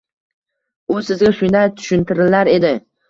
U sizga shunday tushuntirilar edi.